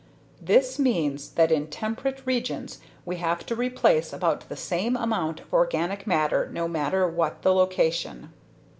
_This means that in temperate regions we have to replace about the same amount of organic matter no matter what the location.